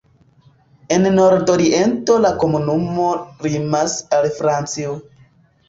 En nordoriento la komunumo limas al Francio.